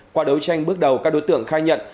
qua đấu tranh bước đầu các đối tượng khai nhận